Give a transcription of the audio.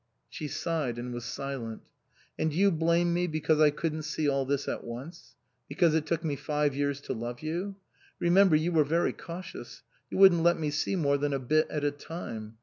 She sighed and was silent. " And you blame me because I couldn't see all this at once ? Because it took me five years to love you ? Remember, you were very cautious ; you wouldn't let me see more than a bit at a time.